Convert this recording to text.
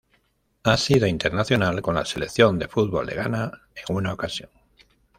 Ha sido internacional con la selección de fútbol de Ghana en una ocasión.